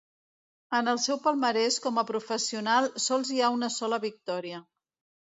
En el seu palmarès com a professional sols hi ha una sola victòria.